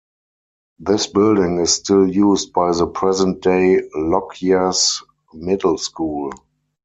This building is still used by the present day Lockyer's Middle School.